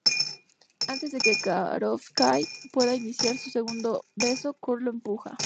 Antes de que Karofsky pueda iniciar un segundo beso, Kurt lo empuja.